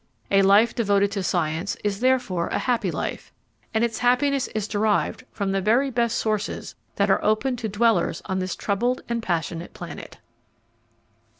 A life devoted to science is therefore a happy life, and its happiness is derived from the very best sources that are open to dwellers on this troubled and passionate planet.